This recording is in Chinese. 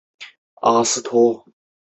慕容忠之子。